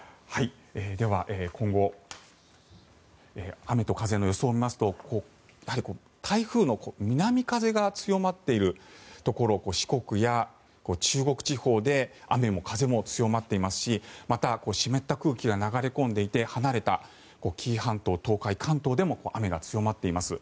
では今後、雨と風の予想を見ますとやはり台風の南風が強まっているところ四国や中国地方で雨も風も強まっていますしまた、湿った空気が流れ込んでいて離れた紀伊半島、東海、関東でも雨が強まっています。